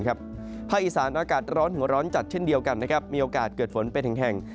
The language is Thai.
ภาคอีสานอากาศร้อนถึงร้อนจัดเช่นเดียวกันมีโอกาสเกิดฝนเป็นแห่ง